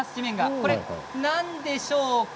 これは何でしょうか？